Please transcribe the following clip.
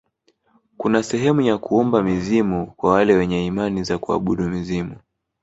kuna sehemu ya kuomba mizimu kwa wale wenye imani za kuabudu mizimu